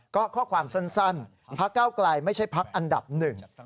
ก็ข้อความสั้นพักเก้าไกลไม่ใช่พักอันดับหนึ่ง